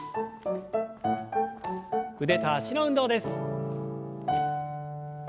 腕と脚の運動です。